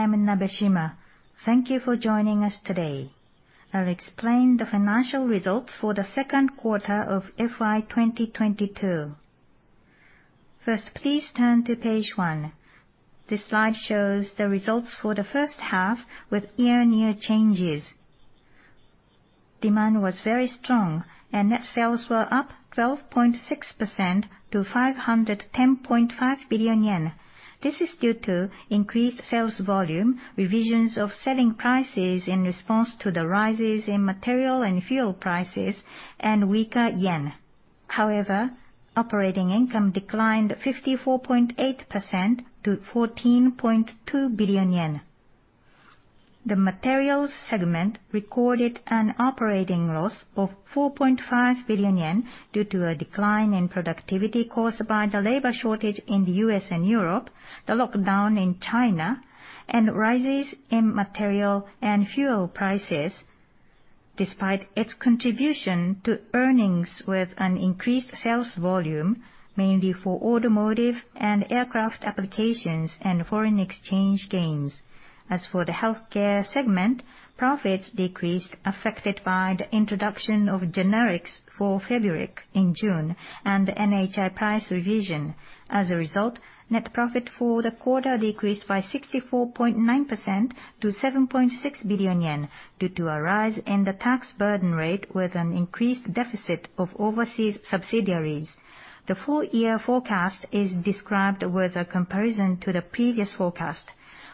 I am Nabeshima. Thank you for joining us today. I'll explain the financial results for the second quarter of FY 2022. First, please turn to page one. This slide shows the results for the first half with year-on-year changes. Demand was very strong and net sales were up 12.6% to 510.5 billion yen. This is due to increased sales volume, revisions of selling prices in response to the rises in material and fuel prices, and weaker yen. However, operating income declined 54.8% to 14.2 billion yen. The materials segment recorded an operating loss of 4.5 billion yen due to a decline in productivity caused by the labor shortage in the U.S. and Europe, the lockdown in China, and rises in material and fuel prices, despite its contribution to earnings with an increased sales volume, mainly for automotive and aircraft applications and foreign exchange gains. As for the healthcare segment, profits decreased, affected by the introduction of generics for FEBURIC in June and the NHI price revision. As a result, net profit for the quarter decreased by 64.9% to 7.6 billion yen due to a rise in the tax burden rate with an increased deficit of overseas subsidiaries. The full year forecast is described with a comparison to the previous forecast.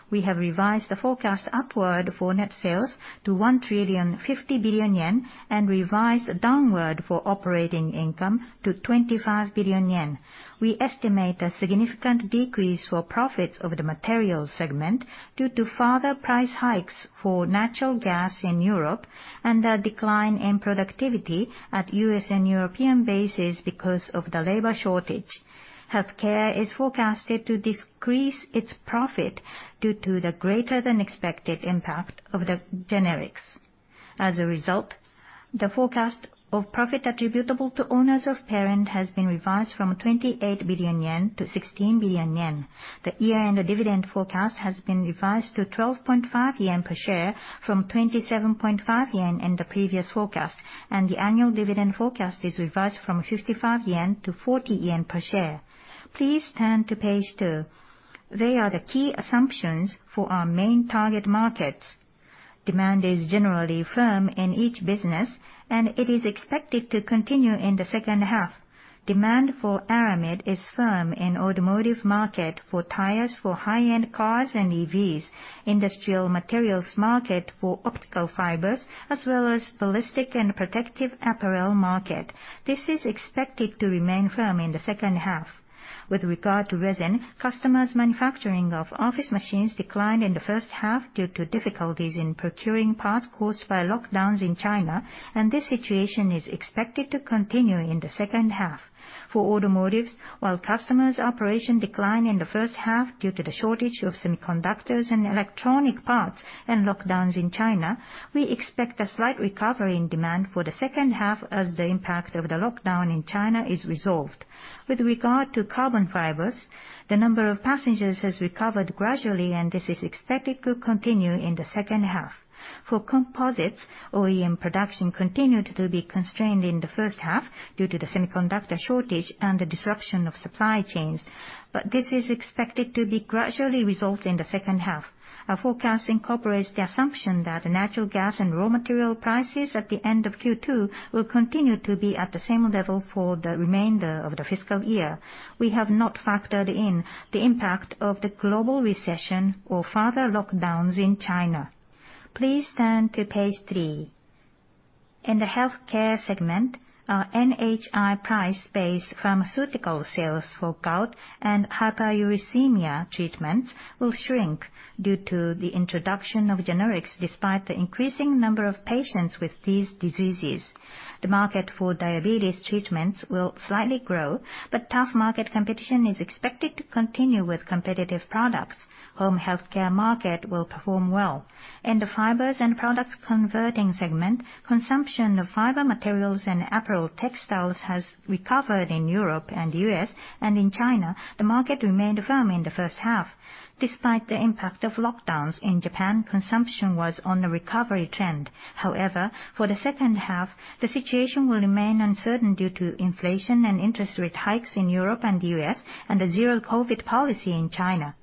We have revised the forecast upward for net sales to 1,050 billion yen and revised downward for operating income to 25 billion yen. We estimate a significant decrease for profits over the materials segment due to further price hikes for natural gas in Europe and a decline in productivity at U.S. and European bases because of the labor shortage. Healthcare is forecasted to decrease its profit due to the greater than expected impact of the generics. As a result, the forecast of profit attributable to owners of parent has been revised from 28 billion yen to 16 billion yen. The year-end dividend forecast has been revised to 12.5 yen per share from 27.5 yen in the previous forecast, and the annual dividend forecast is revised from 55 yen to 40 yen per share. Please turn to page two. They are the key assumptions for our main target markets. Demand is generally firm in each business, and it is expected to continue in the second half. Demand for Aramid is firm in automotive market for tires for high-end cars and EVs, industrial materials market for optical fibers, as well as ballistic and protective apparel market. This is expected to remain firm in the second half. With regard to resin, customers' manufacturing of office machines declined in the first half due to difficulties in procuring parts caused by lockdowns in China, and this situation is expected to continue in the second half. For automotives, while customers' operation declined in the first half due to the shortage of semiconductors and electronic parts and lockdowns in China, we expect a slight recovery in demand for the second half as the impact of the lockdown in China is resolved. With regard to carbon fibers, the number of passengers has recovered gradually, and this is expected to continue in the second half. For composites, OEM production continued to be constrained in the first half due to the semiconductor shortage and the disruption of supply chains. This is expected to be gradually resolved in the second half. Our forecast incorporates the assumption that natural gas and raw material prices at the end of Q2 will continue to be at the same level for the remainder of the fiscal year. We have not factored in the impact of the global recession or further lockdowns in China. Please turn to page three. In the healthcare segment, our NHI price-based pharmaceutical sales for gout and hyperuricemia treatments will shrink due to the introduction of generics, despite the increasing number of patients with these diseases. The market for diabetes treatments will slightly grow, but tough market competition is expected to continue with competitive products. Home healthcare market will perform well. In the fibers and products converting segment, consumption of fiber materials and apparel textiles has recovered in Europe and U.S., and in China, the market remained firm in the first half. Despite the impact of lockdowns in Japan, consumption was on a recovery trend. However, for the second half, the situation will remain uncertain due to inflation and interest rate hikes in Europe and U.S. and the zero COVID policy in China.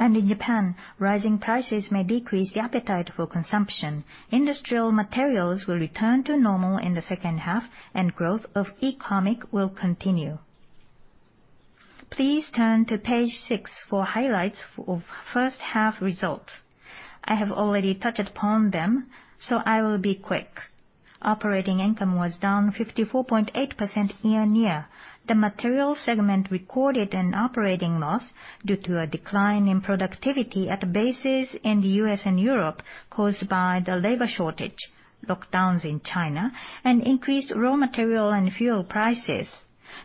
In Japan, rising prices may decrease the appetite for consumption. Industrial materials will return to normal in the second half, and growth of economic will continue. Please turn to page six for highlights of first half results. I have already touched upon them, so I will be quick. Operating income was down 54.8% year-on-year. The materials segment recorded an operating loss due to a decline in productivity at bases in the U.S. and Europe caused by the labor shortage, lockdowns in China, and increased raw material and fuel prices.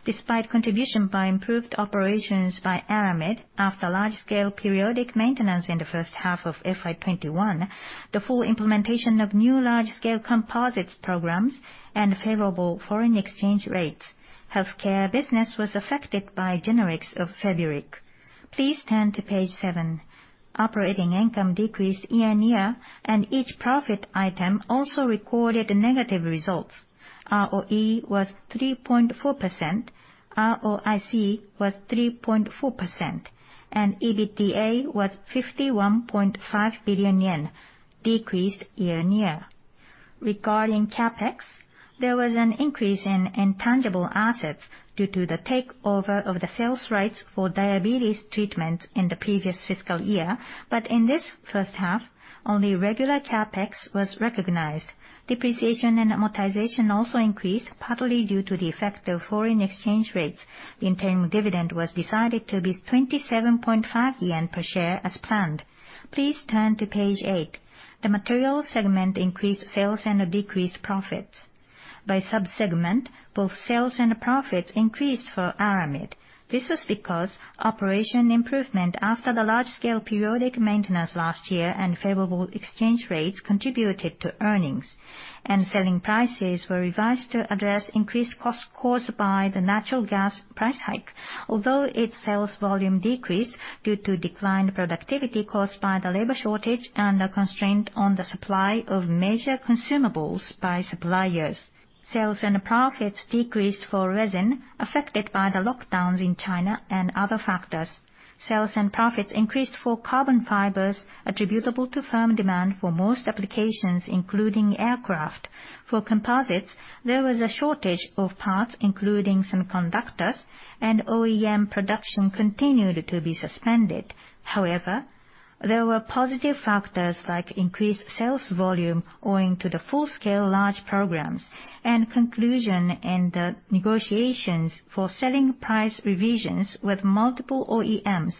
Despite contribution by improved operations by Aramid, after large-scale periodic maintenance in the first half of FY 2021, the full implementation of new large-scale composites programs and favorable foreign exchange rates, healthcare business was affected by generics of FEBURIC. Please turn to page seven. Operating income decreased year-on-year, and each profit item also recorded negative results. ROE was 3.4%, ROIC was 3.4%, and EBITDA was 51.5 billion yen, decreased year-on-year. Regarding CapEx, there was an increase in intangible assets due to the takeover of the sales rights for diabetes treatment in the previous fiscal year. In this first half, only regular CapEx was recognized. Depreciation and amortization also increased, partly due to the effect of foreign exchange rates. Interim dividend was decided to be 27.5 yen per share, as planned. Please turn to page eight. The Materials segment increased sales and decreased profits. By sub-segment, both sales and profits increased for Aramid. This was because operational improvement after the large-scale periodic maintenance last year and favorable exchange rates contributed to earnings, and selling prices were revised to address increased costs caused by the natural gas price hike, although its sales volume decreased due to declined productivity caused by the labor shortage and a constraint on the supply of major consumables by suppliers. Sales and profits decreased for Resin, affected by the lockdowns in China and other factors. Sales and profits increased for carbon fibers attributable to firm demand for most applications, including aircraft. For composites, there was a shortage of parts, including some conductors, and OEM production continued to be suspended. However, there were positive factors like increased sales volume owing to the full-scale large programs and conclusion in the negotiations for selling price revisions with multiple OEMs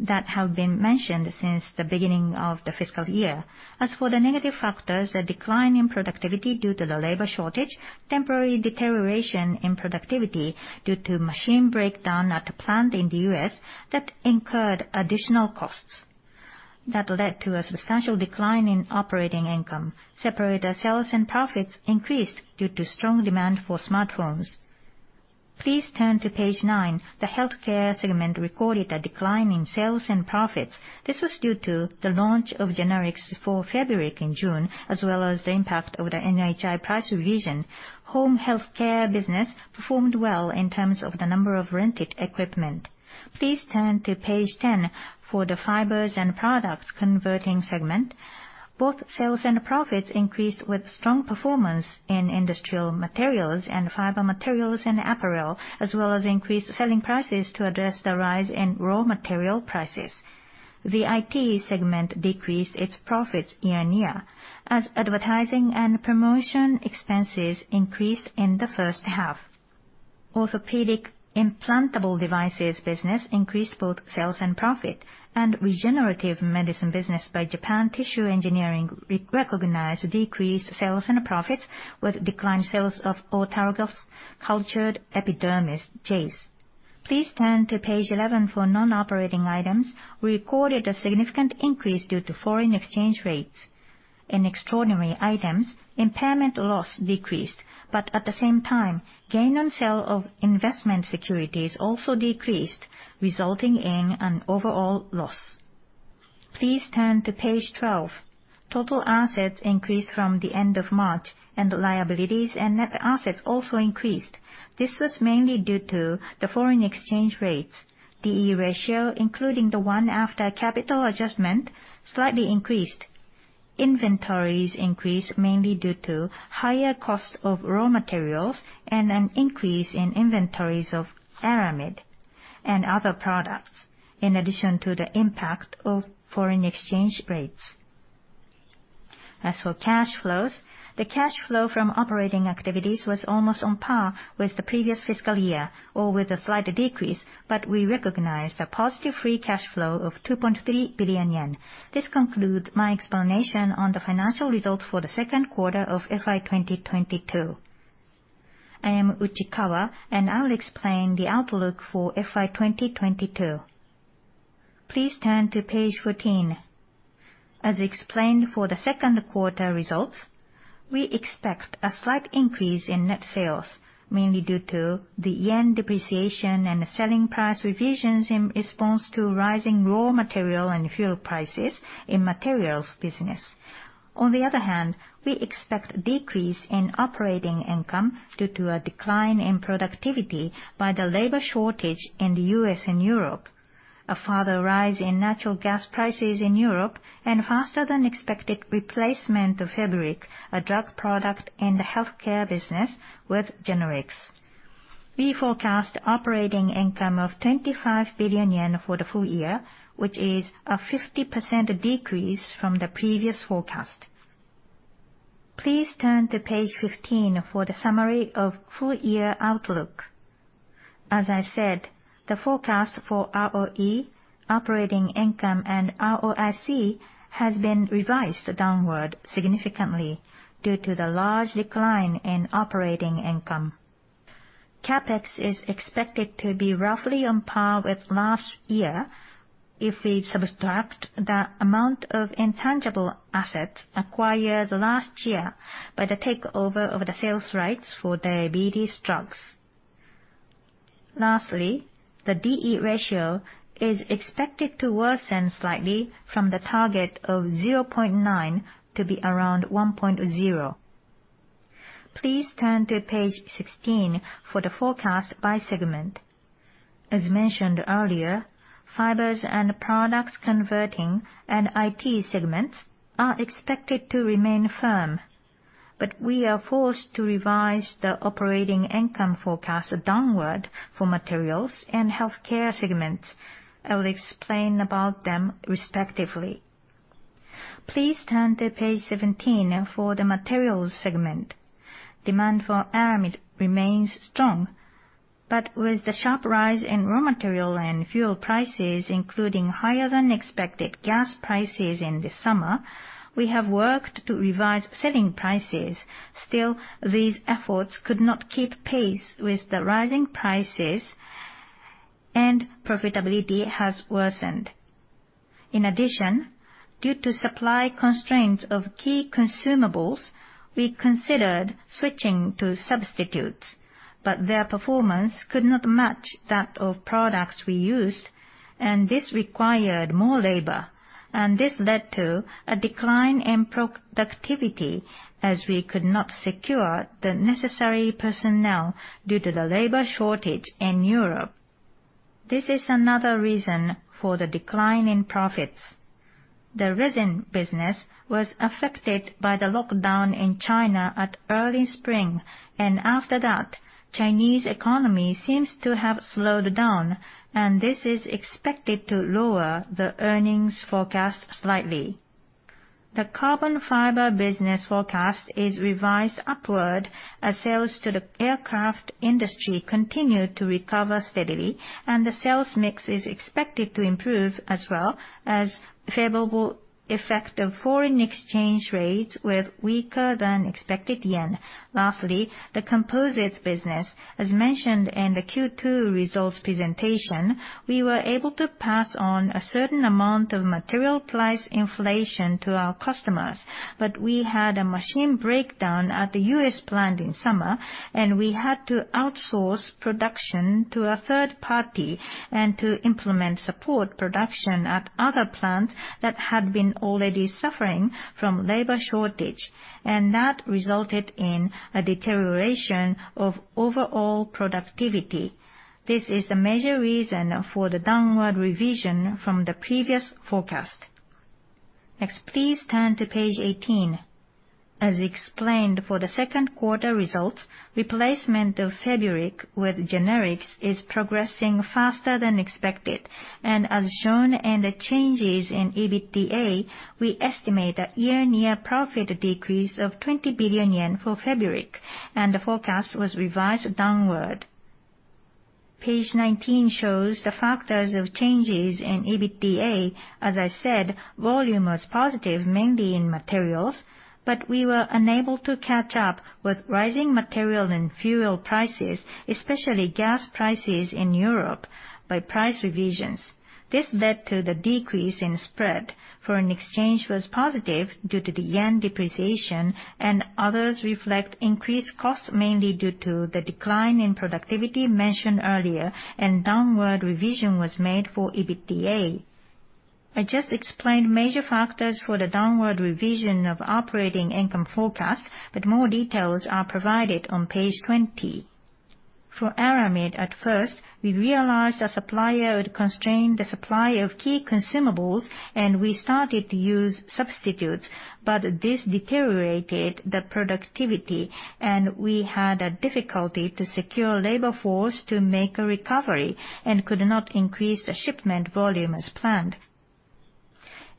that have been mentioned since the beginning of the fiscal year. As for the negative factors, a decline in productivity due to the labor shortage, temporary deterioration in productivity due to machine breakdown at a plant in the U.S. that incurred additional costs. That led to a substantial decline in operating income. Separator sales and profits increased due to strong demand for smartphones. Please turn to page nine. The Healthcare segment recorded a decline in sales and profits. This was due to the launch of generics for FEBURIC in June, as well as the impact of the NHI price revision. Home healthcare business performed well in terms of the number of rented equipment. Please turn to page 10 for the Fibers & Products Converting segment. Both sales and profits increased with strong performance in industrial materials and fiber materials and apparel, as well as increased selling prices to address the rise in raw material prices. The IT segment decreased its profits year-on-year as advertising and promotion expenses increased in the first half. Orthopedic implantable devices business increased both sales and profit, and regenerative medicine business by Japan Tissue Engineering recognized decreased sales and profits with declined sales of autologous cultured epidermis, JACE. Please turn to page 11 for non-operating items. We recorded a significant increase due to foreign exchange rates. In extraordinary items, impairment loss decreased, but at the same time, gain on sale of investment securities also decreased, resulting in an overall loss. Please turn to page 12. Total assets increased from the end of March, and liabilities and net assets also increased. This was mainly due to the foreign exchange rates. The D/E ratio, including the one after capital adjustment, slightly increased. Inventories increased mainly due to higher cost of raw materials and an increase in inventories of Aramid and other products, in addition to the impact of foreign exchange rates. As for cash flows, the cash flow from operating activities was almost on par with the previous fiscal year or with a slight decrease, but we recognized a positive free cash flow of 2.3 billion yen. This concludes my explanation on the financial results for the second quarter of FY2022. I am Uchikawa, and I'll explain the outlook for FY 2022. Please turn to page 14. As explained for the second quarter results, we expect a slight increase in net sales, mainly due to the yen depreciation and selling price revisions in response to rising raw material and fuel prices in materials business. On the other hand, we expect decrease in operating income due to a decline in productivity by the labor shortage in the U.S. and Europe, a further rise in natural gas prices in Europe and faster than expected replacement of FEBURIC, a drug product in the healthcare business, with generics. We forecast operating income of 25 billion yen for the full year, which is a 50% decrease from the previous forecast. Please turn to page 15 for the summary of full-year outlook. As I said, the forecast for ROE, operating income, and ROIC has been revised downward significantly due to the large decline in operating income. CapEx is expected to be roughly on par with last year. If we subtract the amount of intangible assets acquired last year by the takeover of the sales rights for diabetes drugs. Lastly, the D/E ratio is expected to worsen slightly from the target of 0.9 to be around 1.0. Please turn to page 16 for the forecast by segment. As mentioned earlier, Fibers & Products Converting and IT segments are expected to remain firm. We are forced to revise the operating income forecast downward for Materials and Healthcare segments. I will explain about them respectively. Please turn to page 17 for the Materials segment. Demand for Aramid remains strong. With the sharp rise in raw material and fuel prices, including higher than expected gas prices in the summer, we have worked to revise selling prices. Still, these efforts could not keep pace with the rising prices, and profitability has worsened. In addition, due to supply constraints of key consumables, we considered switching to substitutes, but their performance could not match that of products we used, and this required more labor. This led to a decline in productivity, as we could not secure the necessary personnel due to the labor shortage in Europe. This is another reason for the decline in profits. The resin business was affected by the lockdown in China at early spring. After that, Chinese economy seems to have slowed down, and this is expected to lower the earnings forecast slightly. The carbon fiber business forecast is revised upward as sales to the aircraft industry continue to recover steadily, and the sales mix is expected to improve as well as favorable effect of foreign exchange rates with weaker than expected yen. Lastly, the composites business. As mentioned in the Q2 results presentation, we were able to pass on a certain amount of material price inflation to our customers, but we had a machine breakdown at the U.S. plant in summer, and we had to outsource production to a third party and to implement support production at other plants that had been already suffering from labor shortage. That resulted in a deterioration of overall productivity. This is a major reason for the downward revision from the previous forecast. Next, please turn to page 18. As explained for the second quarter results, replacement of FEBURIC with generics is progressing faster than expected. As shown in the changes in EBITDA, we estimate a year-on-year profit decrease of 20 billion yen for FEBURIC, and the forecast was revised downward. Page 19 shows the factors of changes in EBITDA. As I said, volume was positive mainly in materials, but we were unable to catch up with rising material and fuel prices, especially gas prices in Europe, by price revisions. This led to the decrease in spread. Foreign exchange was positive due to the yen depreciation, and others reflect increased costs mainly due to the decline in productivity mentioned earlier, and downward revision was made for EBITDA. I just explained major factors for the downward revision of operating income forecast, but more details are provided on page 20. For Aramid, at first, we realized a supplier would constrain the supply of key consumables, and we started to use substitutes. This deteriorated the productivity, and we had a difficulty to secure labor force to make a recovery and could not increase the shipment volume as planned.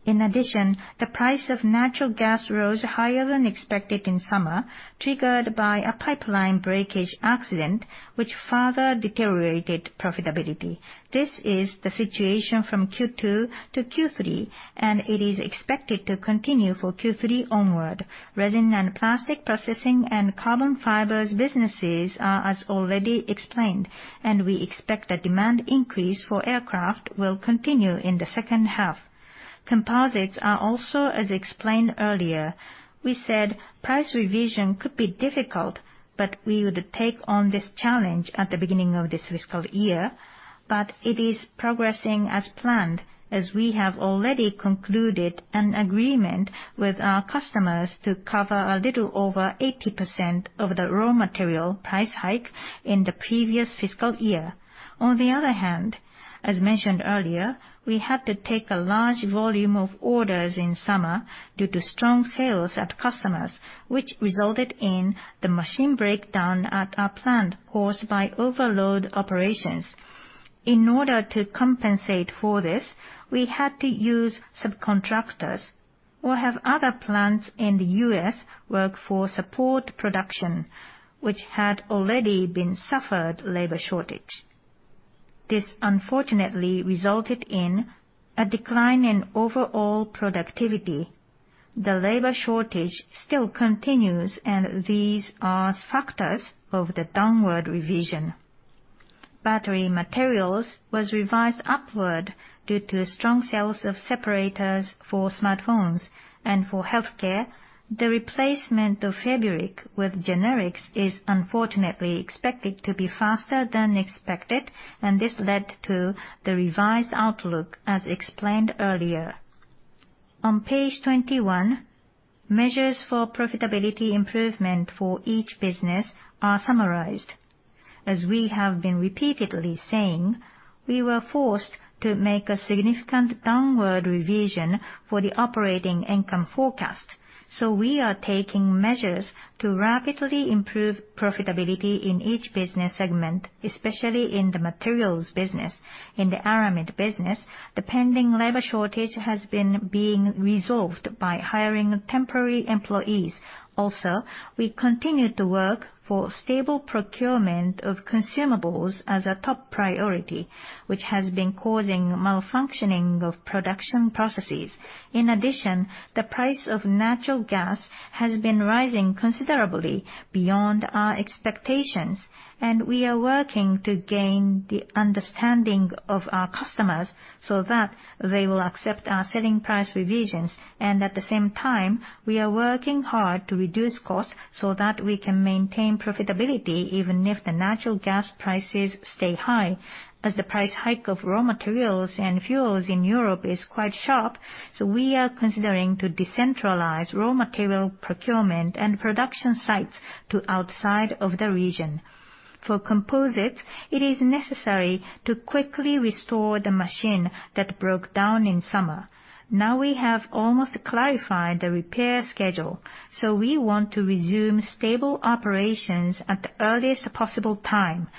In addition, the price of natural gas rose higher than expected in summer, triggered by a pipeline breakage accident, which further deteriorated profitability. This is the situation from Q2-Q3, and it is expected to continue for Q3 onward. Resin and plastic processing and carbon fibers businesses are as already explained, and we expect a demand increase for aircraft will continue in the second half. Composites are also as explained earlier. We said price revision could be difficult, but we would take on this challenge at the beginning of this fiscal year. It is progressing as planned, as we have already concluded an agreement with our customers to cover a little over 80% of the raw material price hike in the previous fiscal year. On the other hand, as mentioned earlier, we had to take a large volume of orders in summer due to strong sales at customers, which resulted in the machine breakdown at our plant caused by overload operations. In order to compensate for this, we had to use subcontractors or have other plants in the U.S. work for support production, which had already been suffering labor shortage. This unfortunately resulted in a decline in overall productivity. The labor shortage still continues, and these are factors of the downward revision. Battery materials was revised upward due to strong sales of separators for smartphones. For healthcare, the replacement of FEBURIC with generics is unfortunately expected to be faster than expected, and this led to the revised outlook, as explained earlier. On page 21, measures for profitability improvement for each business are summarized. As we have been repeatedly saying, we were forced to make a significant downward revision for the operating income forecast. We are taking measures to rapidly improve profitability in each business segment, especially in the materials business. In the Aramid business, the pending labor shortage has been being resolved by hiring temporary employees. Also, we continue to work for stable procurement of consumables as a top priority, which has been causing malfunctioning of production processes. In addition, the price of natural gas has been rising considerably beyond our expectations, and we are working to gain the understanding of our customers so that they will accept our selling price revisions. At the same time, we are working hard to reduce costs so that we can maintain profitability even if the natural gas prices stay high. As the price hike of raw materials and fuels in Europe is quite sharp, so we are considering to decentralize raw material procurement and production sites to outside of the region. For composites, it is necessary to quickly restore the machine that broke down in summer. Now we have almost clarified the repair schedule, so we want to resume stable operations at the earliest possible time.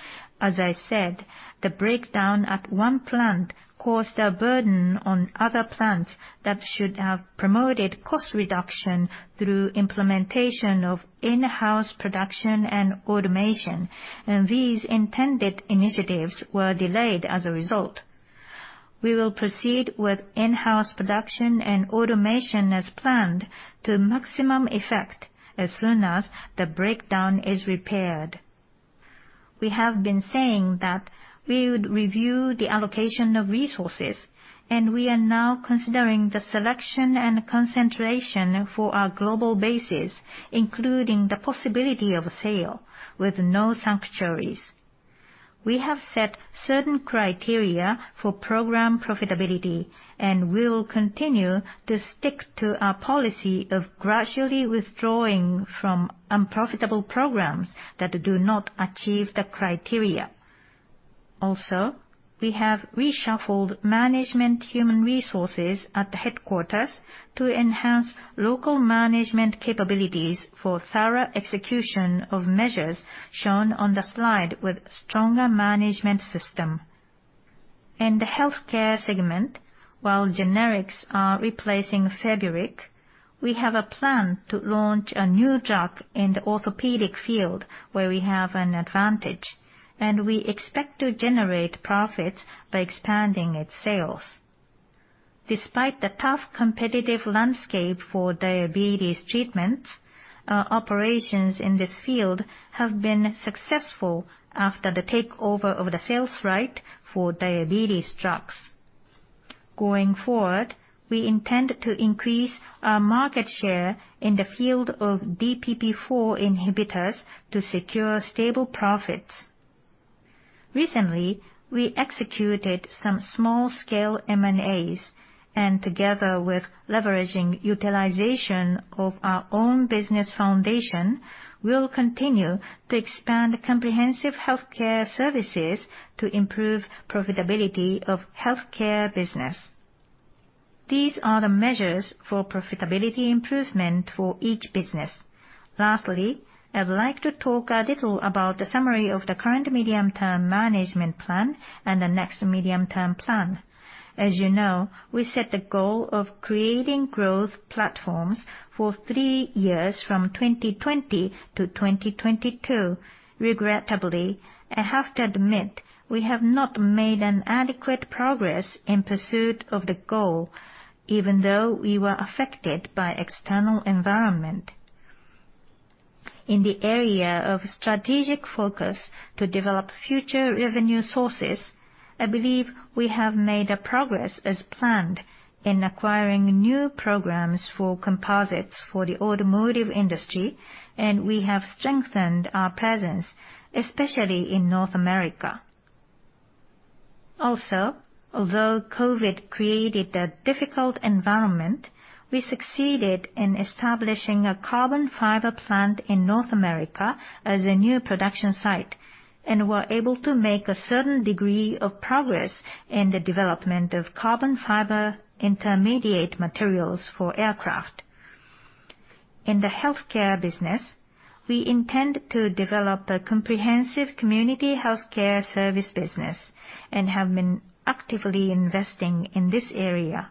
As I said, the breakdown at one plant caused a burden on other plants that should have promoted cost reduction through implementation of in-house production and automation, and these intended initiatives were delayed as a result. We will proceed with in-house production and automation as planned to maximum effect as soon as the breakdown is repaired. We have been saying that we would review the allocation of resources, and we are now considering the selection and concentration for our global bases, including the possibility of sale with no sanctuaries. We have set certain criteria for program profitability and will continue to stick to our policy of gradually withdrawing from unprofitable programs that do not achieve the criteria. Also, we have reshuffled management human resources at the headquarters to enhance local management capabilities for thorough execution of measures shown on the slide with stronger management system. In the healthcare segment, while generics are replacing FEBURIC, we have a plan to launch a new drug in the orthopedic field where we have an advantage, and we expect to generate profits by expanding its sales. Despite the tough competitive landscape for diabetes treatments, our operations in this field have been successful after the takeover of the sales right for diabetes drugs. Going forward, we intend to increase our market share in the field of DPP-4 inhibitors to secure stable profits. Recently, we executed some small-scale M&As, and together with leveraging utilization of our own business foundation, we will continue to expand comprehensive healthcare services to improve profitability of healthcare business. These are the measures for profitability improvement for each business. Lastly, I would like to talk a little about the summary of the current medium-term management plan and the next medium-term plan. As you know, we set the goal of creating growth platforms for three years from 2020-2022. Regrettably, I have to admit we have not made an adequate progress in pursuit of the goal, even though we were affected by external environment. In the area of strategic focus to develop future revenue sources, I believe we have made a progress as planned in acquiring new programs for composites for the automotive industry, and we have strengthened our presence, especially in North America. Also, although COVID created a difficult environment, we succeeded in establishing a carbon fiber plant in North America as a new production site and were able to make a certain degree of progress in the development of carbon fiber intermediate materials for aircraft. In the healthcare business, we intend to develop a comprehensive community healthcare service business and have been actively investing in this area.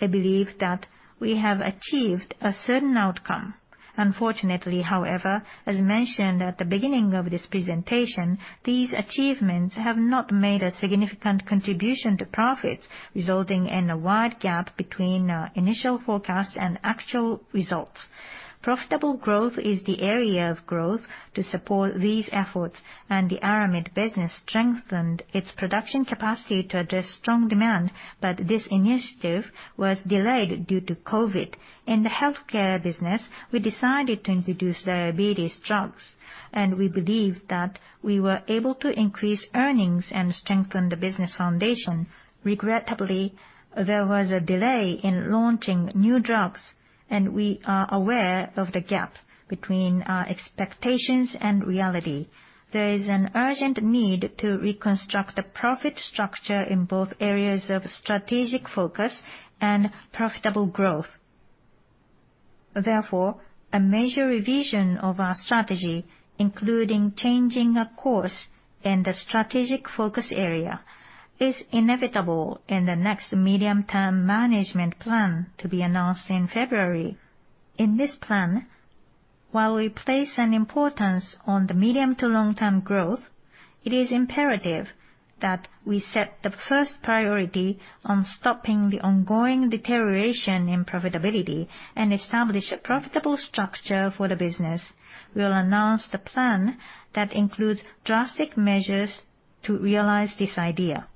I believe that we have achieved a certain outcome. Unfortunately, however, as mentioned at the beginning of this presentation, these achievements have not made a significant contribution to profits, resulting in a wide gap between our initial forecast and actual results. Profitable growth is the area of growth to support these efforts, and the Aramid business strengthened its production capacity to address strong demand, but this initiative was delayed due to COVID. In the healthcare business, we decided to introduce diabetes drugs, and we believe that we were able to increase earnings and strengthen the business foundation. Regrettably, there was a delay in launching new drugs, and we are aware of the gap between our expectations and reality. There is an urgent need to reconstruct the profit structure in both areas of strategic focus and profitable growth. Therefore, a major revision of our strategy, including changing a course in the strategic focus area, is inevitable in the next medium-term management plan to be announced in February. In this plan, while we place an importance on the medium to long-term growth, it is imperative that we set the first priority on stopping the ongoing deterioration in profitability and establish a profitable structure for the business. We will announce the plan that includes drastic measures to realize this idea.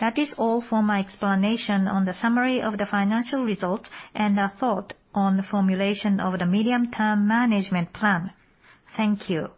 That is all for my explanation on the summary of the financial results and our thought on the formulation of the medium-term management plan. Thank you.